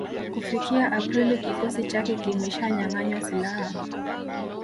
Kufikia Aprili kikosi chake kimeshanyanganywa silaha